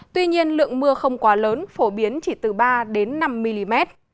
tuy nhiên lượng mưa không quá lớn phổ biến chỉ từ ba năm mm